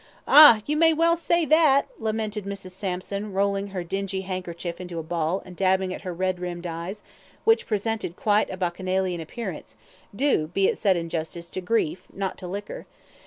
"Ah! you may well say that," lamented Mrs. Sampson, rolling her dingy handkerchief into a ball, and dabbing at her red rimmed eyes, which presented quite a bacchanalian appearance, due, be it said in justice, to grief, not to liquor.